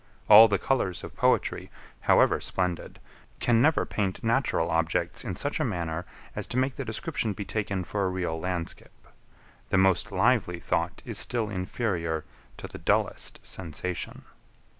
All the colours of poetry, however splendid, can never paint natural objects in such a manner as to make the description be taken for a real landskip. The most lively thought is still inferior to the dullest sensation.